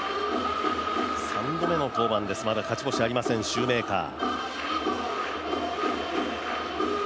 ３どめの登板ですまだ勝ち星ありませんシューメーカー。